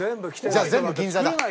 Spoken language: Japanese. じゃあ全部銀座だ。